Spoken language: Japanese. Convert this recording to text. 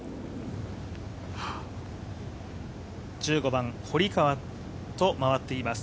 １５番、堀川と回っています。